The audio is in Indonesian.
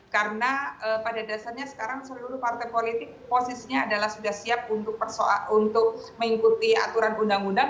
karena pada dasarnya sekarang seluruh partai politik posisinya adalah sudah siap untuk mengikuti aturan undang undang